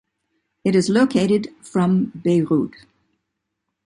It is located from Beirut.